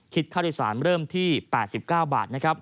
คิดค่าโดยสารเริ่มที่๘๙บาท